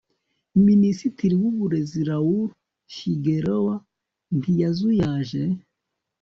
Minisitiri wuburezi Raul Figueroa ntiyazuyaje